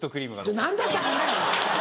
「何だったかな」や！